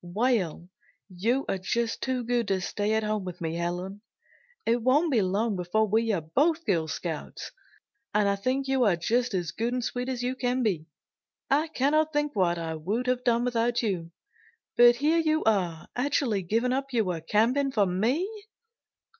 "Well, you are just too good to stay at home with me, Helen. It won't be long before we are both Girl Scouts. And I think you are just as good and sweet as you can be. I can't think what I would have done without you. But here you are actually giving up your camping for me."